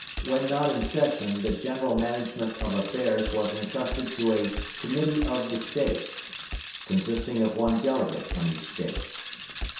When not in session the general management of affairs was intrusted to a "Committee of the States," consisting of one delegate from each State.